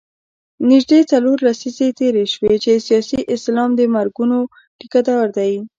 نژدې څلور لسیزې تېرې شوې چې سیاسي اسلام د مرګونو ټیکه دار دی.